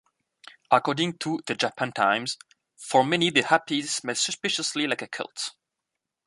According to "The Japan Times", "for many, the Happies smell suspiciously like a cult".